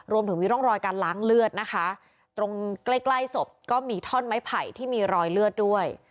รวมถึงมีร่องรอยการล้างเลือดนะคะตรงใกล้ใกล้ศพก็มีท่อนไม้ไผ่ที่มีรอยเลือดด้วย